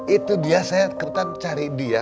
itu dia saya kerutan cari dia